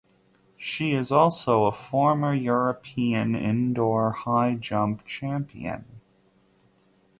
She is also a former European indoor high jump champion.